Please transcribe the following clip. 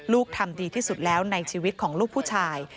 ทำดีที่สุดแล้วในชีวิตของลูกผู้ชาย